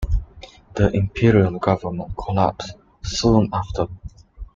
The imperial government collapsed soon after.